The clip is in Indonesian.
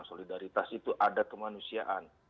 solidaritas itu ada kemanusiaan